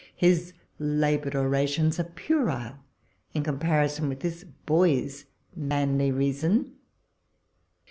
His laboured orations are puerile in comparison with tliis boy's manly reason.